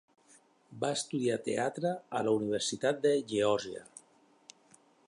Va estudiar teatre a la Universitat de Geòrgia.